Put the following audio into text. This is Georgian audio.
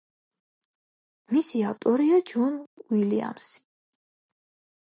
მისი ავტორია ჯონ უილიამსი.